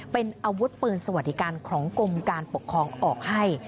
เป็นอาวุธปืนสวัสดิการของกรมการปกครองออกให้